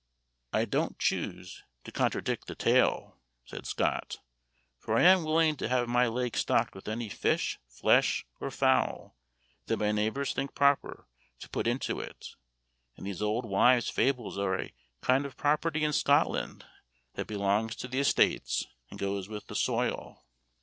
"I don't choose to contradict the tale," said Scott, "for I am willing to have my lake stocked with any fish, flesh, or fowl that my neighbors think proper to put into it; and these old wives' fables are a kind of property in Scotland that belongs to the estates and goes with the soil.